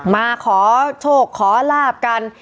มาขอโชคขอลาบกัน